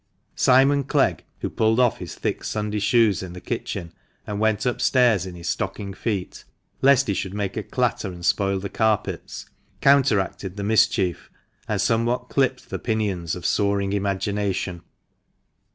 Simon Clegg (who pulled off his thick Sunday shoes in the kitchen, and went up stairs in his stocking feet, lest he should make a clatter and spoil the carpets) counteracted the mischief, and somewhat clipped the pinions of soaring imagination.